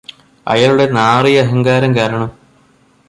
അയാളുടെ നാറിയ അഹങ്കാരം കാരണം